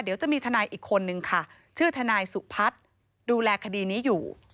เดี๋ยวจะมีทนายอีกคนนึงค่ะชื่อทนายสุพัฒน์ดูแลคดีนี้อยู่